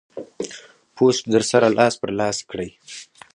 پوسټ در سره لاس پر لاس کړئ.